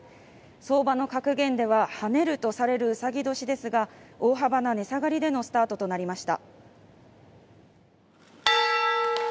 相場の格言では跳ねるとされるうさぎ年ですが大幅な値下がりでのスタートとなりました